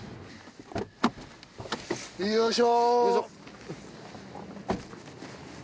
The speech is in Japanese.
よいしょ。